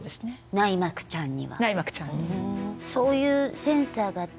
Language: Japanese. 内膜ちゃんに。